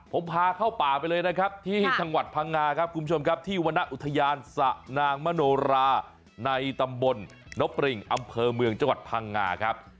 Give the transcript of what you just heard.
ผมพาเข้าป่าไปเลยนะครับที่จังหวัดพังงาครับคุณผู้ชมครับที่วรรณอุทยานสะนางมโนราในตำบลนบปริงอำเภอเมืองจังหวัดพังงาครับ